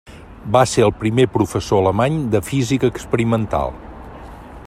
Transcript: Va ser el primer professor alemany de Física Experimental.